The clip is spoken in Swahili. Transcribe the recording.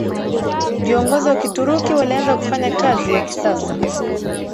viongozi wa Kituruki walianza kufanya kazi ya kisasa